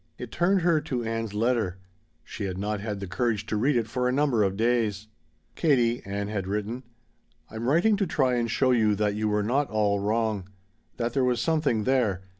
It turned her to Ann's letter; she had not had the courage to read it for a number of days. "Katie," Ann had written, "I'm writing to try and show you that you were not all wrong. That there was something there.